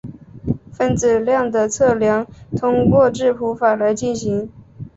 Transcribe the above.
分子量的测量通过质谱法来进行。